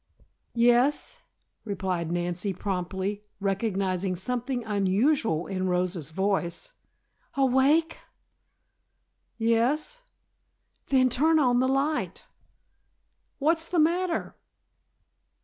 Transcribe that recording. "Yes," replied Nancy promptly, recognizing something unusual in Rosa's voice. "Awake?" "Yes." "Then turn on the light." "What's the matter?"